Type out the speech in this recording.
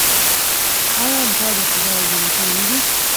آیا دا د خدای نعمتونه نه دي؟